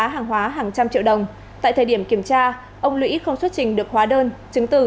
tại thời điểm kiểm tra ông lũy không xuất trình được hóa đơn chứng tử